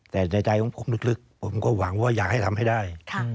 แต่ในใจของผมลึกผมก็หวังว่าอยากให้ทำให้ได้